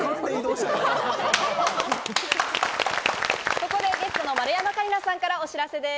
ここでゲストの丸山桂里奈さんからお知らせです。